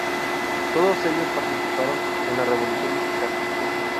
Todos ellos participaron en la Revolución Mexicana.